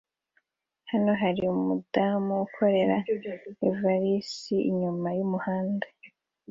Hano hari umudamu ukurura ivalisi inyuma yumuhanda